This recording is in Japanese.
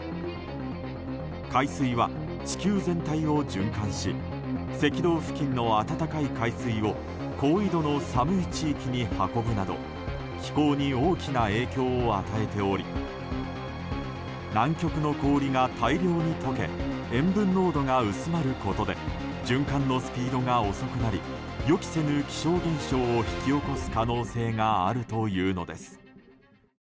海水は地球全体を循環し赤道付近の暖かい海水を高緯度の寒い地域に運ぶなど気候に大きな影響を与えており南極の氷が大量に解け塩分濃度が薄まることで循環のスピードが遅くなり予期せぬ気象現象を引き起こす可能性があるというのです。